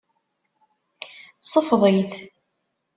Ṣfeḍ-it.